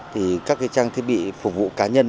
thì các trang thiết bị phục vụ cá nhân